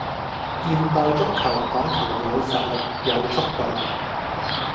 現代足球講求有實力,有速度